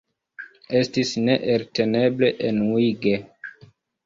Estis neelteneble enuige.